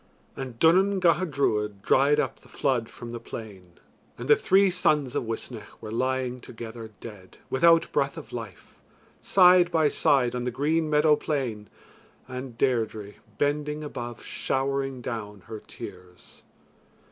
And Duanan Gacha Druid dried up the flood from the plain and the three sons of Uisnech were lying together dead, without breath of life, side by side on the green meadow plain and Deirdre bending above showering down her tears.